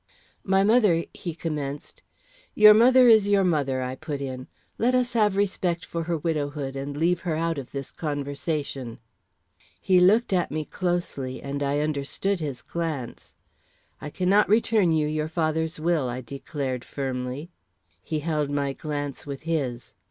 "My mother," he commenced. "Your mother is your mother," I put in. "Let us have respect for her widowhood, and leave her out of this conversation." He looked at me closely, and I understood his glance. "I cannot return you your father's will," I declared, firmly. He held my glance with his.